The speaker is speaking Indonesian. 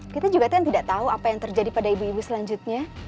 kita juga kan tidak tahu apa yang terjadi pada ibu ibu selanjutnya